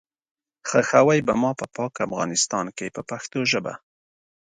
ښخوئ به ما په پاک افغانستان کې په پښتو ژبه.